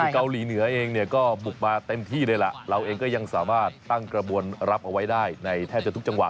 คือเกาหลีเหนือเองเนี่ยก็บุกมาเต็มที่เลยล่ะเราเองก็ยังสามารถตั้งกระบวนรับเอาไว้ได้ในแทบจะทุกจังหวะ